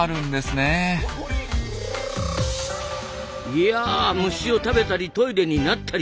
いや虫を食べたりトイレになったり。